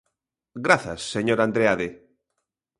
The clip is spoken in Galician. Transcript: Grazas, señor Andreade.